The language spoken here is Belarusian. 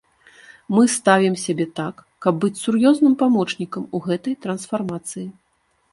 Мы ставім сябе так, каб быць сур'ёзным памочнікам у гэтай трансфармацыі.